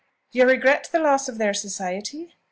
"You regret the loss of their society?